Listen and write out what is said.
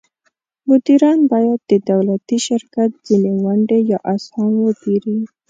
مدیران باید د دولتي شرکت ځینې ونډې یا اسهام وپیري.